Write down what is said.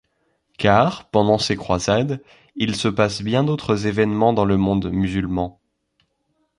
Car, pendant ces croisades, il se passe bien d'autres événements dans le monde musulman.